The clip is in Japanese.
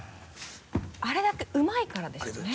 あれだけうまいからですよね。